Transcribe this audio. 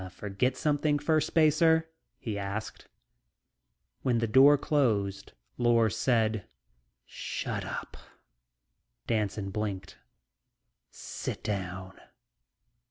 "Forget something, Firstspacer?" He asked. When the door closed, Lors said: "Shut up." Danson blinked. "Sit down."